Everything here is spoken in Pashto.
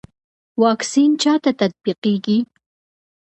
واکسین چا ته تطبیقیږي؟